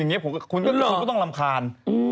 อย่างนี้คุณก็ต้องรำคาญ